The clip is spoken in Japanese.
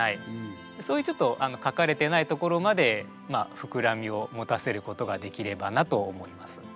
そういうちょっと書かれてないところまで膨らみを持たせることができればなと思います。